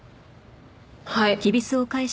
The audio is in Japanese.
はい。